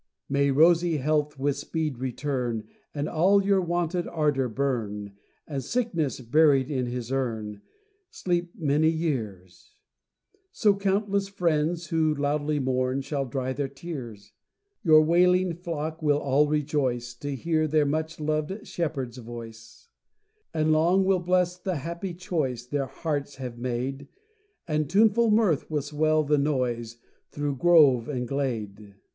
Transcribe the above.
May rosy Health with speed return, And all your wonted ardour burn, And sickness buried in his urn, Sleep many years! So, countless friends who loudly mourn, Shall dry their tears! Your wailing flock will all rejoice To hear their much loved shepherd's voice, And long will bless the happy choice Their hearts have made, And tuneful mirth will swell the noise Through grove and glade.